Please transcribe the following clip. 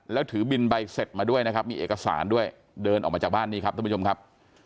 แล้วถือบินใบเสร็จมาด้วยนะครับมีเอกสารด้วยเดินออกมาจากบ้านนี้ครับท่านผู้ชมครับ